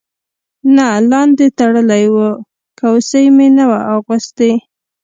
نه لاندې تړلی و، کوسۍ مې نه وه اغوستې.